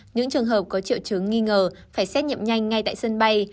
những trường hợp có triệu chứng nghi ngờ phải xét nghiệm nhanh ngay tại sân bay